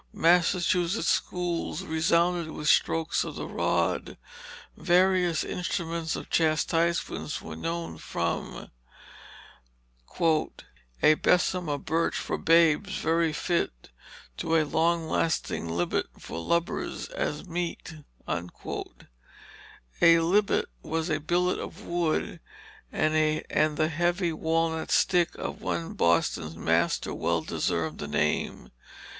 Massachusetts schools resounded with strokes of the rod. Varied instruments of chastisement were known, from "A besomme of byrche for babes verye fit To a long lasting lybbet for lubbers as meet." A lybbet was a billet of wood, and the heavy walnut stick of one Boston master well deserved the name.